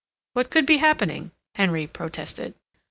"What could be happening?" Henry protested.